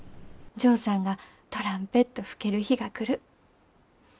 ジョーさんがトランペット吹ける日が来る。